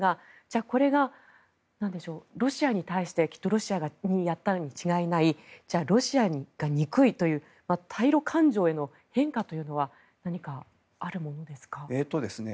これが、ロシアに対してロシアがやったに違いないロシアが憎いという対ロ感情への変化は何かあるものですか？